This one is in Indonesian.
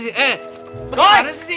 eh gimana sih sih